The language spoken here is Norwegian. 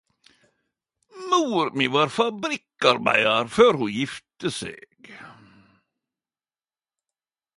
Mor mi var fabrikkarbeidar før ho gifte seg.